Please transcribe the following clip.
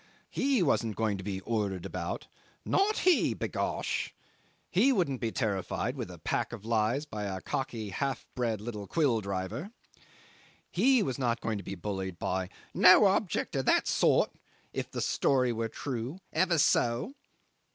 He wasn't going to be ordered about "not he, b'gosh." He wouldn't be terrified with a pack of lies by a cocky half bred little quill driver. He was not going to be bullied by "no object of that sort," if the story were true "ever so"!